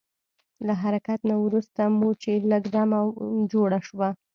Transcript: له حرکت نه وروسته مو چې لږ دمه جوړه شوه.